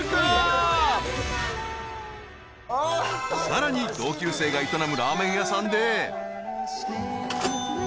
［さらに同級生が営むラーメン屋さんで］